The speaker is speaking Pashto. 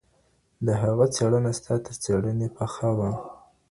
د هغه څېړنه ستا تر څېړني پخه وه.